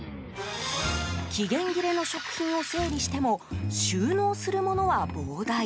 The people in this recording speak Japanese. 期限切れの食品を整理しても収納するものは膨大。